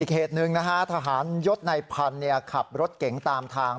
เหตุหนึ่งนะฮะทหารยศในพันธุ์ขับรถเก๋งตามทาง